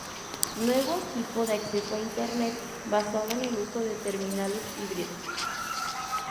Nuevo tipo de acceso a internet basado en el uso de terminales híbridos.